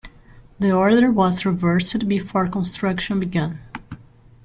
The order was reversed before construction began.